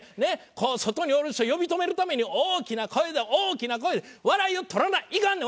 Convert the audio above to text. こう外におる人を呼び止めるために大きな声で大きな声で笑いを取らないかんねん！